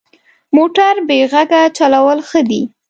موټر بې غږه چلول ښه دي.